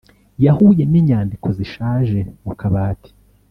yahuye ninyandiko zishaje mu kabati